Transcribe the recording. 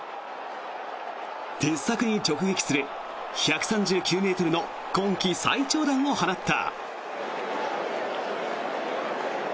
鉄柵に直撃する１３９ｍの今季最長弾を放った。